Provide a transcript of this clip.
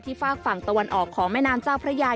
ฝากฝั่งตะวันออกของแม่น้ำเจ้าพระยา